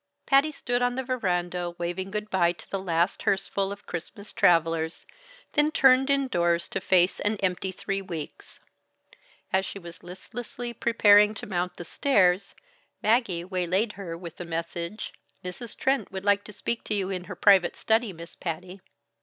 Patty stood on the veranda waving good by to the last hearseful of Christmas travelers, then turned indoors to face an empty three weeks. As she was listlessly preparing to mount the stairs, Maggie waylaid her with the message: "Mrs. Trent would like to speak to you in her private study, Miss Patty."